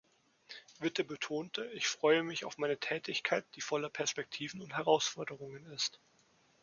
Witte betonte: „Ich freue mich auf meine Tätigkeit, die voller Perspektiven und Herausforderungen ist.